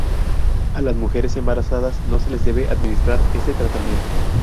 A las mujeres embarazadas no se les debe administrar este tratamiento.